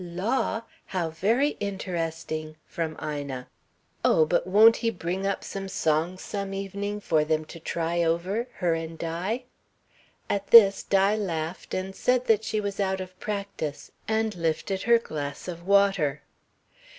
Law! How very interesting, from Ina. Oh, but won't he bring up some songs some evening, for them to try over? Her and Di? At this Di laughed and said that she was out of practice and lifted her glass of water.